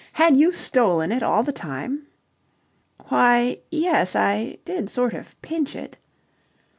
Had you stolen it all the time?" "Why, yes, I did sort of pinch it..."